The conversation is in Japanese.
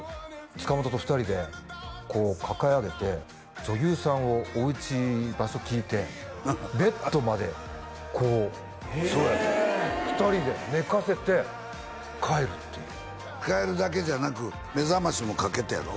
塚本と２人でこう抱え上げて女優さんをお家場所聞いてベッドまでこう２人で寝かせて帰るっていう帰るだけじゃなく目覚ましもかけてやろ？